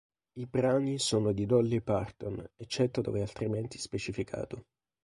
I brani sono di Dolly Parton eccetto dove altrimenti specificato.